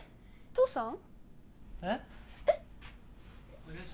父さん！